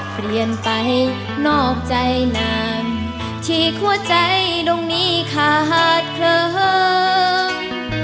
เปลี่ยนไปนอกใจนานที่หัวใจตรงนี้ขาดเคลิง